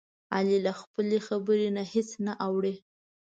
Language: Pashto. علي له خپلې خبرې نه هېڅ نه اوړوي.